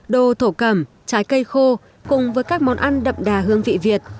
đồ thổ cẩm trái cây khô cùng với các món ăn đậm đà hương vị việt